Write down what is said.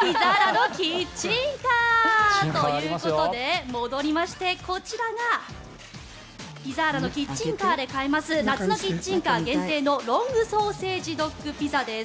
ピザーラのキッチンカー！ということで戻りまして、こちらがピザーラのキッチンカーで買えます夏のキッチンカー限定のロングソーセージドックピザです。